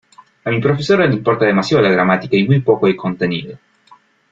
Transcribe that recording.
A mi profesora le importa demasiado la gramática y muy poco el contenido.